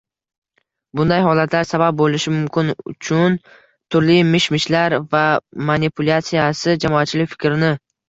Bunday holatlar sabab bo'lishi mumkin uchun turli mish-mishlar va manipulyatsiyasi jamoatchilik fikrini